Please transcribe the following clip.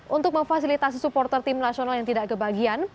untuk memfasilitasi supporter tim nasional yang tidak kebagian